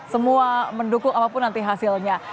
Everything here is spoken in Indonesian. semua mendukung apapun nanti hasilnya